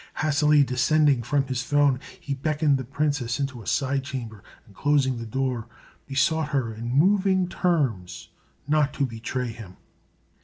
Hastily descending from his throne, he beckoned the princess into a side chamber, and closing the door, besought her in moving terms not to betray him.